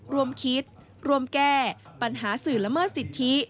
รวมคิดรวมแก้ปัญหาสื่อละเมิดสิทธิ